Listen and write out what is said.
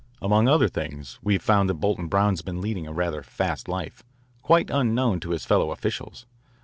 Among other things we have found that Bolton Brown has been leading a rather fast life, quite unknown to his fellow officials.